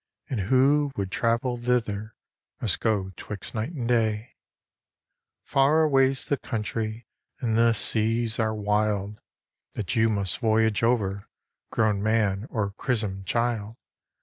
And vako would travel thither must go 'tviixt night and day. Far awayt the country, and the teat are viild That you must voyage over, grown man or chriiem child.